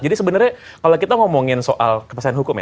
jadi sebenarnya kalau kita ngomongin soal kepastian hukum ya